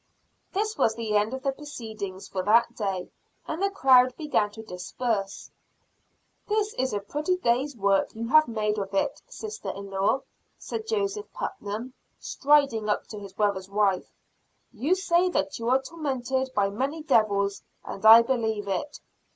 This was the end of the proceedings for that day and the crowd began to disperse. "This is a pretty day's work you have made of it, sister in law," said Joseph Putnam, striding up to his brother's wife. "You say that you are tormented by many devils, and I believe it.